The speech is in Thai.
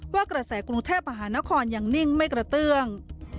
ว่ากระแสกรุงเทพมหานครยังนิ่งไม่กระเตื้อง